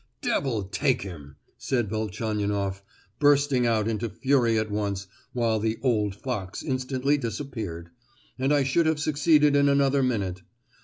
"Devil take him!" said Velchaninoff, bursting out into fury at once, while the "old fox" instantly disappeared, "and I should have succeeded in another minute.